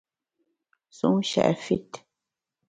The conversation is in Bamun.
Sun shèt fit.